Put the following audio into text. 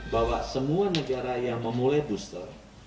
bahwa semua negara yang memulai booster